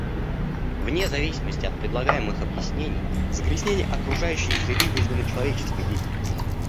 Вне зависимости от предлагаемых объяснений, загрязнение окружающей среды вызвано человеческой деятельностью.